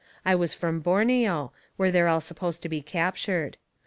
I was from Borneo, where they're all supposed to be captured.